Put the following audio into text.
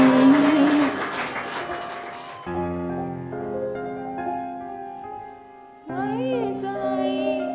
ไข่ใจ